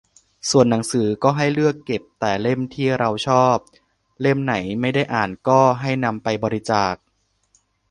ส่วนหนังสือก็ให้เลือกเก็บแต่เล่มที่เราชอบ เล่มไหนไม่ได้อ่านก็ให้นำไปบริจาค